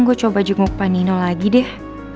gue coba jenguk pak nino lagi deh